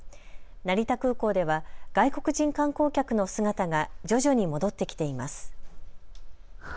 成田空港では外国人観光客の姿が徐々に戻って来ています。